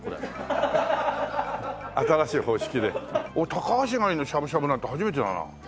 タカアシガニのしゃぶしゃぶなんて初めてだな。